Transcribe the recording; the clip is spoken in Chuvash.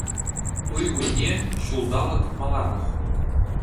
Туй кунне — ҫулталӑк маларах